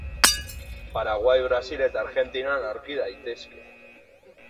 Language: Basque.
Paraguai, Brasil eta Argentinan aurki daitezke.